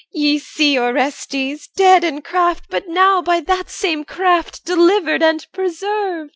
Ye see Orestes, dead in craft, but now By that same craft delivered and preserved.